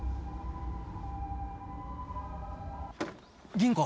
吟子。